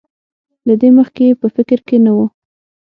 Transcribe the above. له دې مخکې یې په فکر کې نه وو.